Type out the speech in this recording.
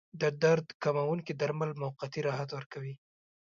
د درد کموونکي درمل موقتي راحت ورکوي.